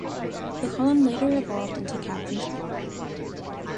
The column later evolved into Captain's Blog.